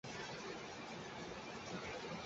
গ্রেফতার করো ওকে।